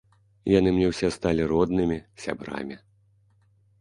Яны мне ўсе сталі роднымі, сябрамі.